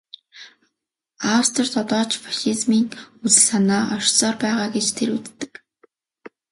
Австрид одоо ч фашизмын үзэл санаа оршсоор байгаа гэж тэр үздэг.